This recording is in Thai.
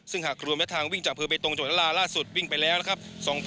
ซึ่งหากรวมและทางวิ่งจากอำเภอเบตรงจังหวัดละลาล่าสุดวิ่งไปแล้วนะครับ